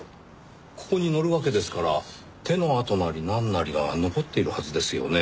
ここに乗るわけですから手の跡なりなんなりが残っているはずですよね。